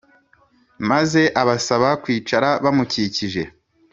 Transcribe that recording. maze abasaba kwicara bamukikije.